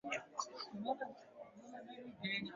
Hill nje ya Boston yalitokea Hayo yalikuwa